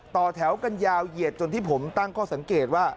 ต่อแถวกันยาวเหยียดจนที่ผมตั้งข้อสังเกตว่า